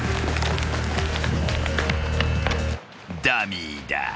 ［ダミーだ］